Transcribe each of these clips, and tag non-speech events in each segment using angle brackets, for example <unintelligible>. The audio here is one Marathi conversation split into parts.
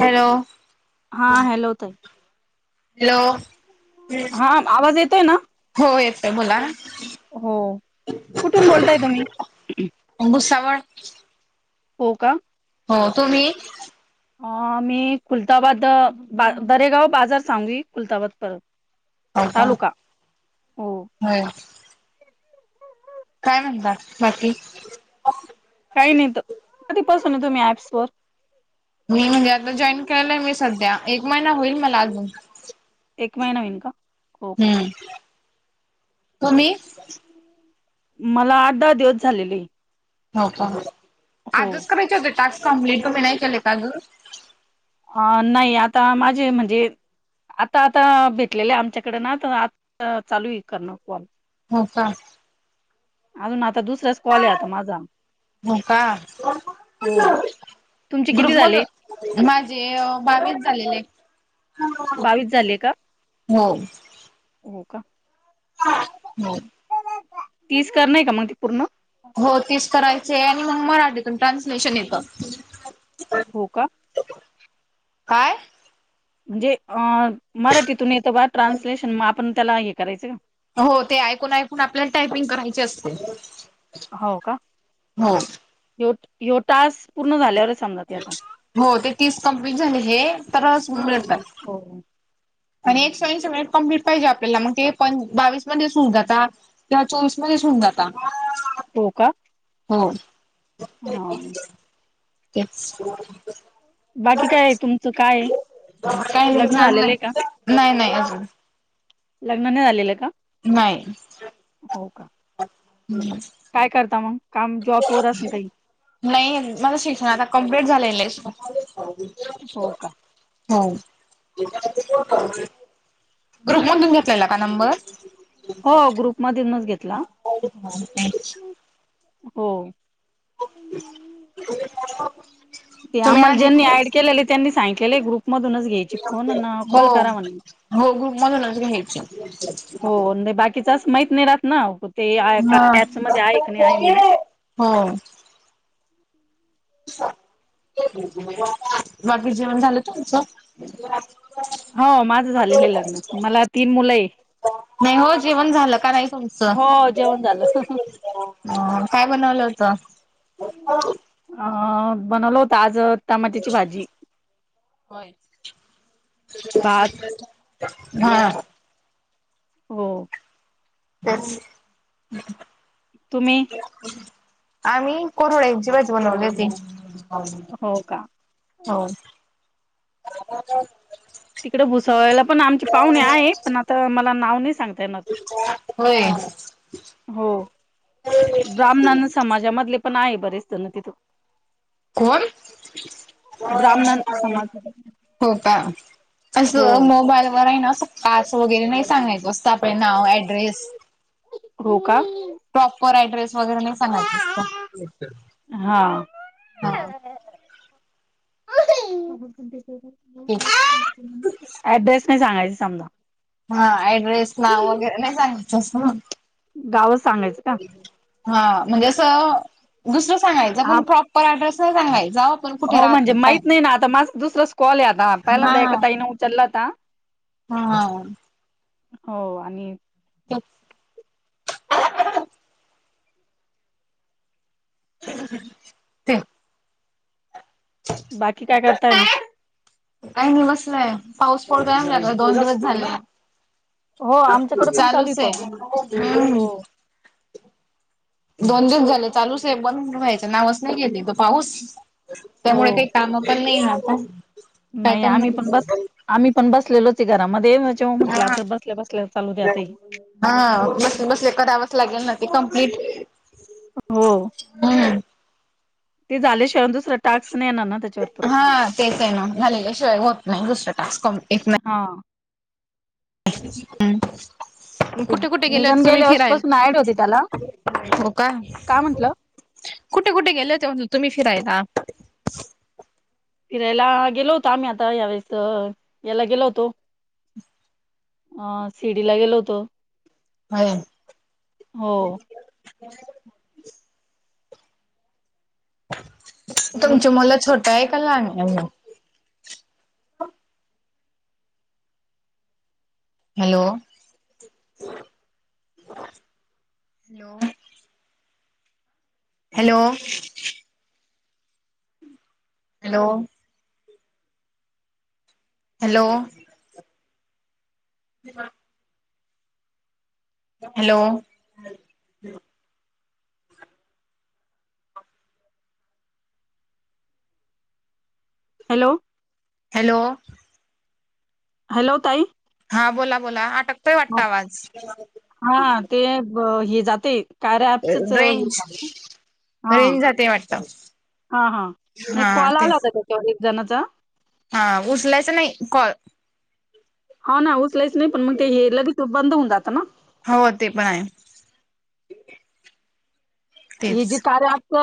हॅलो, हा हॅलो ताई हॅलो. हा आवाज येतोय ना? हो येतोय बोला. हो, कुठून बोलताय तुम्ही? भुसावळ. हो का. हो तुम्ही? मी फुलताबाद, बरेगाव बाजार सांगवी फुलदाबाद परत हो का, तालुका हो होय. काय म्हणता बाकी? काही नाहीत, कधी पासून तुम्ही ऍप्स वर? मी म्हणजे आता जॉईन केलय मी सध्या, एक महिना होईल मला अजून. एक महिना होईन का? हो का हम्म तुम्ही? मला आठ दहा दिवस झालेलय. हो का, आजच करायचे होते टास्क कमप्लीट तुम्ही नाही केल का अजुन? अ नाही आता माझे म्हणजे आता आता भेटलेले आमच्याकड ना तर आता चालूय करण कॉल. हो का? अजून आता दुसराच कॉल आहे आता माझा हो का, हो तुमचे किती ग्रुप झाले मधुन माझे बावीस झालेले बावीस झाले का? हो हो का <unintelligible> हो तीच कर नाही का, मग ते पूर्ण? हो तीस करायचे आणि मग मराठीतून ट्रान्सलेशन येतं हो का काय? म्हणजे अ मराठीतून येतं बा ट्रान्सलेशन मग आपण त्येला हे करायचं का? हो ते ऐकून ऐकून आपल्याला टायपिंग करायचे असते हाव का? हो यो टास्क पूर्ण झाल्यावरच समजा ते आता हो ते तीस कंपनी झाली हे, तरच मिळतात. हो आणि एक ऐंशी मिनिट कम्प्लीट पाहिजे आपल्याला, मग ते प बावीसमध्ये सुरू जातात किंवा चोवीस मध्येच होऊन जाता हो का हो हां <unintelligible> बाकी काय तुमचं कायं, काही नाही लग्न झालेलंय का? चांगलं नाही नाही अजून लग्न नाही झालेलं का? नाही. हो का काय करता मंग काम जॉब वार असण काही? नाही माझं शिक्षण आता कम्प्लीट झालेलं असतं हो का हो, ग्रुप मधून घेतलेला का नंबर? हो, ग्रुप मधूनच घेतला हो... <unintelligible> ते तुम्ही आम्हांला आधी ज्यांनी हो ऍड केलेले त्यांनी सांगितलेलं आहे, ग्रुप मधूनच घ्यायची फोन अन् कॉल करा म्हणे. हो ग्रुप मधून घ्यायचं. किचास माहित नाही राहत ना, ते का हा ऍप्स मध्ये आहे की नाही आहे म्हणून. हो... बाकी जेवण झालं तुमचं? हो माझं झालेलं आहे लग्नं, मला तीन मुलं आहे. नाही हो, जेवण झालं का नाही तुमचं? हो जेवण झालं. ह काय बनवलं होतं? अ बनवलं हो आज टमाट्याची भाजी होय भात <unintelligible> हा हो तेच तुम्ही? आम्ही कुरूड्यांची भाजी बनवली होती. हो का हो. तिकडे भुसवळ्याला पण आमची पाहुणे आहे, पण आता मला नाव नाही सांगता येणार. होय. हो ब्राह्मणान समाजामधले पण आहे बरेच जण तिथं. कोण? ब्राह्मण समाज हो का हो असं मोबाईलवर आहे ना, कास्ट वगैरे नाही सांगायचं असतं आपलं नाव, ऍड्रेस. हो, का. प्रॉपर ॲड्रेस वगैरे नाही सांगायचं असतं, हा हा.. <unintelligible> हो. ऍड्रेस नाही सांगायचा समजा. हा ऍड्रेस, नाव वगैरे नाही सांगायचं असं. गावच सांगायचं का? हा म्हणजे अस दुसरं सांगायचं हा पण प्रॉपर ऍड्रेस सांगायचा‌. हो म्हणजे माहित नाही ना, आता माझा दुसराच कॉल आहे आता पहिल्यांदाच एका ताईने उचल्लाता. हां... हो आणि कच ह.... ह. <unintelligible> बाकी काय करताय मग? काही नाही बसलोय, पाऊस पडतोय आमच्याकडे दोन दिवस झाले. हो आमच्याकडे पण चालू चालूच पाऊस आहे. हूं.... हो दोन दिवस झाले चालूच आहे, बंद व्हायचं नावच नाही घेत हे तो पाऊस. हो त्यामुळे काही कामं पण नाही राहता नाही आम्ही पण बस, आम्ही पण बसलेलोच आहे घरामध्ये. जेव म्हटलं हा आता बसल्या बसल्या चालू द्या ताई. हा बसले, बसले करावच लागेल ना ते कम्प्लीट हो हम्म ते झाल्याशिवाय दुसरा टास्क नाही येणारना त्येच्यावर परत हा तेच आहे ना, झालेल्याशिवाय होत नाही दुसर टास्क कम्प्लीट नाही हा <unintelligible> <unintelligible> कुठे कुठे गेल्यात निघन तुम्ही गेल्या वर्षीपासून ऍड फिरायला? होती त्याला हो का काय म्हंटलं कुठे कुठे गेल होते तुम्ही फिरायला? फिरायला गेलो होतो आम्ही आता यावेेळेस याला गेलो होतो अ सिर्डीला गेलो होतो होय हो. उन तुमची मुलं छोटं हाय का लहान मग? Hello, hello hello hello hello <unintelligible> hello hello hello hello ताई हा बोला बोला अटकतोय वाटत आवाज? हां, ते ब हे जाते कार्या ऍपचच हे रेंज झालं हा, रेंज जाते वाटत हा हा नाही हा कॉल ते आला होता त्येच्यावर एक जणाचा हा उचलायचा नाही कॉल हा ना उचलायच नाही पण मग ते हे लगेच बंद होवून जात ना? हो ते पण आहे ही तेच जे कार्या ॲप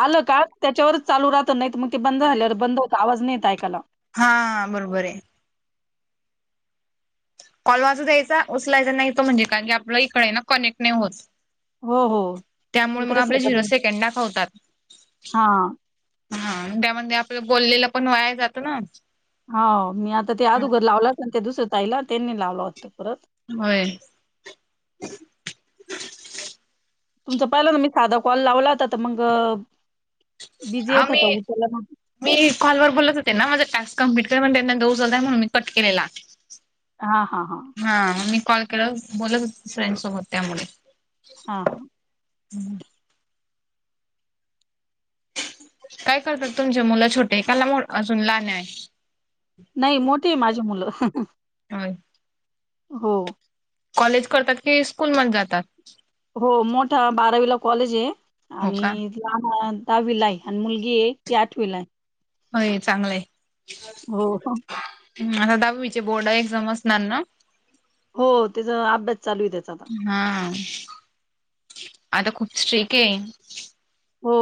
आलं का त्येच्यावर चालू राहत नाहीत मग ते बंद झाल्यावर बंद होत आवाज नाहीे येत ऐकायला हा बरोबर हेय कॉल वाजू द्यायचा उचलायचा नाही तो म्हणजे कारण की आपलं इकड आहे ना कनेक्ट नाही होतं हो, हो. त्यामुळ मग इकडेच आपल होतं झिरो मी. सेकंद दाखवतात हां, हा त्यामध्ये आपलं बोललेलं पण वाया जातं ना हो मी आता ते अगूदर लावलात ना त्या दुसऱ्या ताईला त्येनी लावलं होतं होता परत होय तुमच पहिलं ना मी साधा कॉल लावला होता तर मंग बिझी येत होता आम्ही उचलला नाही मी कॉलवर बोलत होते ना, माझं टास्क कंप्लीट कर त्यांना नंतर उचलताय म्हणून मी कट केलेला हा, हा, हा हा मी कॉल केलावर बोलत होत फ्रेंडसोबत त्या मुली हा, हा हम् काय करतात तुमचे मुलं छोटे? ऐकाला अजून लहान आहेत. नाही मोठीय माझी मुलं होय हो. कॉलेज करतात की स्कूल मध्ये जातात. हो मोठा बारावीला कॉलेज आहे हो का आणि लहान दहावी ला आहे आणि मुलगी एक ती आठवी ला आहे. होय चांगलं आहे, हो. हो आता दहावीचे बोर्ड एक्झाम असणार ना. हो त्याचा अभ्यास चालू आहे त्याचा. हा आता खूप स्ट्रीक आहे. हो.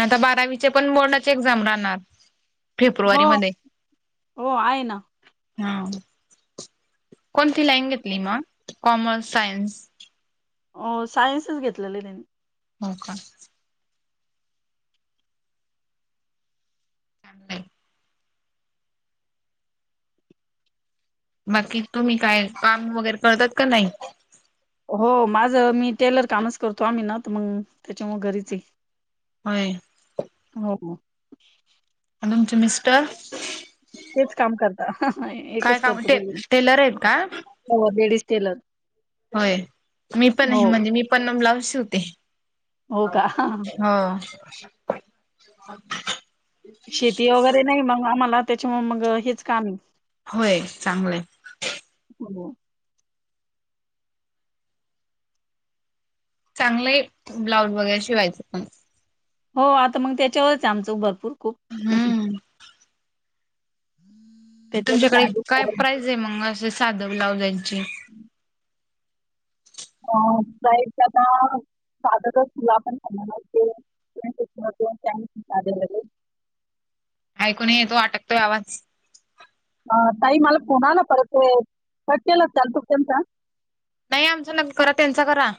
आता बारावीचे पण बोर्डाचे एक्झाम राहणार. हो. फेब्रुवारी मध्ये. हो आहे ना. हा कोणती लाईन घेतली मग कॉमर्स, सायन्स? सायन्सच घेतलेले त्यांनी. हो का? चांगलय. बाकी तुम्ही काय काम वगैरे करतात नाही? हो माझं मी टेलर कामच करतो आम्ही ना तर मग त्या मुळे घरीच आहे. व्हय. हो. आणि तुमचे मिस्टर तेच काम करता काय एकच काम करतो टे टेलर आहेत का दोघेपण लेडीज टेलर. होय मी पण हो. आहे म्हणजे मी पण ब्लाउज शिवते. हो का? हा. शेती वगैरे नाही मग आम्हाला त्याच्यामुळे मग हेच काम आहे. होय चांगलंय‌ हाय. हो. चांगले ब्लाउज वगैरे शिवायचे. हो आता मग त्याच्यावरच आमचं भरपूर खूप <inaudible> त्याच्यावरच तुमच्याकडे ॲडजस्ट काय करायला लागतं. प्राईज आहे मग, असे साधं ब्लाउजांची? प्र आता साधच तुला पण ख लाते <unintelligible> <inaudible> ऐकून नाही येतो, अटकतो आवाज. ह ताई मला कोणाला परत कट केला चालतु त्यांचा. नाही, आमचं नंतर करा, त्यांचा करा.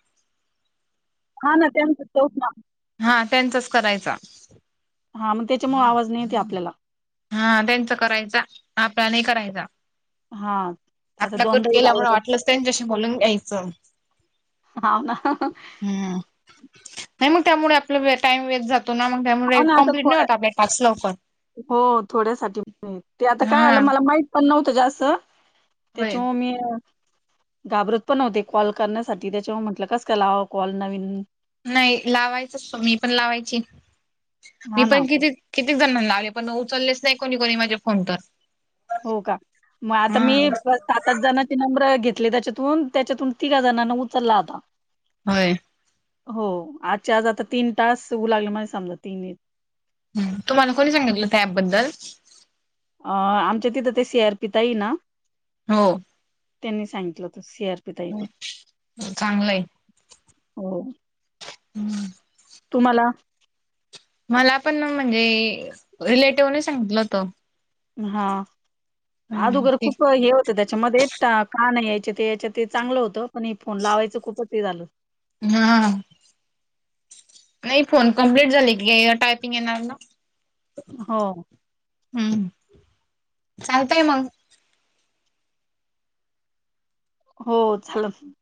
हा ना तेच हा त्यांचाच करायचा. हा, मग त्याच्यामुळे आवाज नाही येते आपल्याला. हा त्यांचा करायचा, आपला नाही करायचा. हां, आता आपला कट दोनदा येऊ लागला केल्यामुळे तर. वाटलंच, त्यांच्याशी बोलून घ्यायचं. हा, ना. हं, नाही मग त्यामुळे आपला वेळ टाईम वेस्ट जातो ना, मग. त्यामुळे हाव ना, आता कम्प्लीट नाही थोड्या होतं आपले टास्क लवकर. <unintelligible> हो थोड्यासाठी ते आता काय झालं हा. मला माहित पण नव्हतं जास्त. होय तेच्यामुळे मी घाबरत पण होते, कॉल करण्यासाठी त्याच्यामुळे म्हटलं कस काय लावावा कॉल नवीन. नाही, लावायचच, मी पण लावायची. मी हां ना पण किती किती जणांना लावले, पण न उचललेच नाही कोणी, कोणी माझे फोन तर. हो का? मग आता हा. मी सात, आठ जणांचे नंब्र घेतले त्याच्यातून, त्याच्यातून तिघाजणांना उचलला होता. होय. हो, आजच्या आज आता तीन तास <unintelligible> लागल मला समज ही नाही ह, तुम्हाला कोणी सांगितलं त्या अँपबद्दल? अ आमच्या तिथं ते अर्पि ताई ना हो. त्यांनी सांगितलं होतं सेअर चांगलयं हो. हम्म तुम्हाला? मला पण म्हणजे, रिलेटिव्हन सांगितलं होत. हा, अदुगर हम्म. खूप हेय त, त्याच्यामध्ये टा, का नाही यायच्या ते याच्या ते चांगलं होतं, पण हे फोन लावायचं खूपच हे झालं. हां नाही, फोन कंप्लीट झाली की टायपिंग येणार ना? हो. हम्म, चालतय मंग हो <unintelligible>